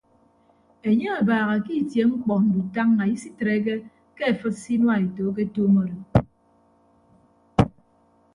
Enye abaaha ke itie mkpọ ndutañña isitreke ke afịd se inuaeto aketuum odo.